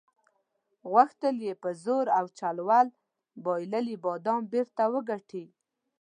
غوښتل یې په زور او چل ول بایللي بادام بیرته وګټي.